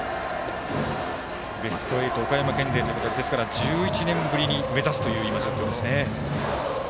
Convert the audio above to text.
ベスト８、岡山県勢は１１年ぶりに目指すという状況ですね。